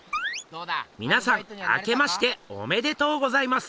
みなさんあけましておめでとうございます。